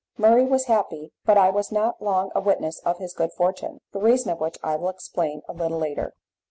Murray was happy, but I was not long a witness of his good fortune, the reason of which I will explain a little later.